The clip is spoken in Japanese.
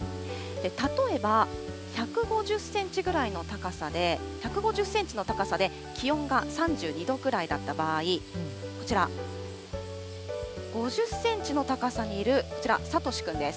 例えば１５０センチぐらいの高さで、１５０センチの高さで気温が３２度くらいだった場合、こちら、５０センチの高さにいるこちら、さとしくんです。